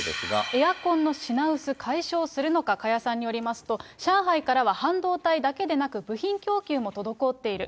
エアコンの品薄解消するのか、加谷さんによりますと、上海からは半導体だけでなく、部品供給も滞っている。